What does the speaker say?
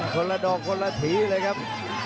คนละดอกคนละทีเลยครับ